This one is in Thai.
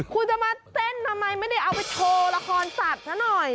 คุณจะมาเต้นทำไมไม่ได้เอาไปโชว์ละครสัตว์ซะหน่อย